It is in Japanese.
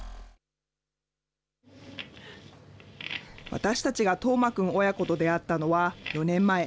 私たちが叶真くん親子と出会ったのは４年前。